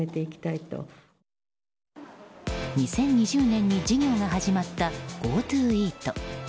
２０２０年に事業が始まったＧｏＴｏイート。